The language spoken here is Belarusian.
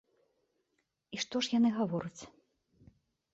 І што ж яны гавораць?